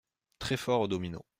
Très fort aux dominos.